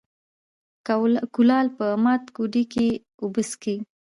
ـ کولال په مات کودي کې اوبه څکي.